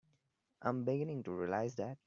I'm beginning to realize that.